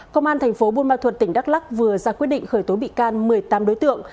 công an tp bunma thuật tỉnh đắk lắc vừa ra quyết định khởi tối bị can một mươi tám đối tượng